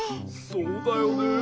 そうだよねえ。